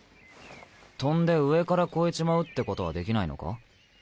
飛んで上から越えちまうってことはできないのか？